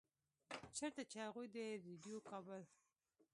چرته چې هغوي د ريډيؤ کابل